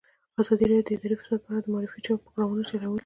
ازادي راډیو د اداري فساد په اړه د معارفې پروګرامونه چلولي.